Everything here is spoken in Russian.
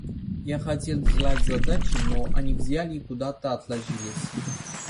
Я хотел делать задачи, но они взяли и куда-то отложились.